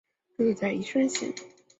治所在宜盛县。